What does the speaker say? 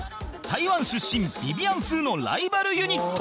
台湾出身ビビアン・スーのライバルユニット